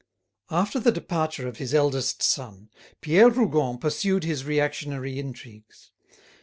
After the departure of his eldest son, Pierre Rougon pursued his reactionary intrigues.